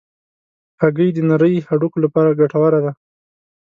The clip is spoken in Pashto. هګۍ د نرۍ هډوکو لپاره ګټوره ده.